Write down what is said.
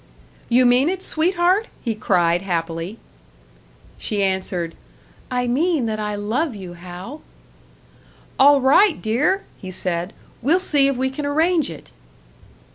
"You mean it, sweetheart?" he cried, happily. She answered, "I mean that I love you, Hal." "All right, dear!" he said. "We'll see if we can arrange it."